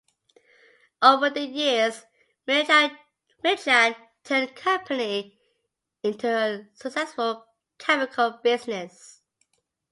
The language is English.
Over the years, Milchan turned the company into a successful chemical business.